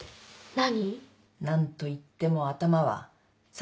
何？